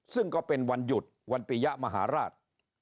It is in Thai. ซึ่งก็เป็นวันหยุดวันปียะมหาราช